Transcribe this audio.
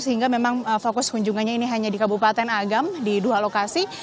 sehingga memang fokus kunjungannya ini hanya di kabupaten agam di dua lokasi